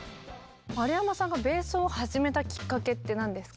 丸山さんがベースを始めたきっかけって何ですか？